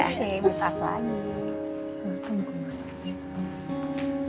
oke minta sajalah